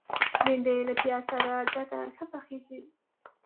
بېنډۍ له پیاز سره ګډه ښه پخیږي